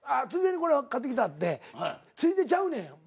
ついでにこれ買ってきたってついでちゃうねん。